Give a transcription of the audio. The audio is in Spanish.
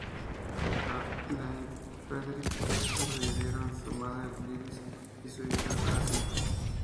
A Lynne Frederick le sobrevivieron su madre, Iris, y su hija, Cassie.